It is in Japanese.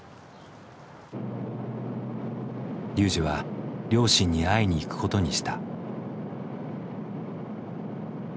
ＲＹＵＪＩは両親に会いに行くことにした。